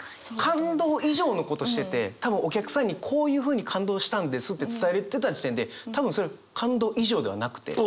感動以上のことしてて多分お客さんにこういうふうに感動したんですって伝えてた時点で多分それ感動以上ではなくて。